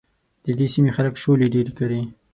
د دې سيمې خلک شولې ډېرې کري.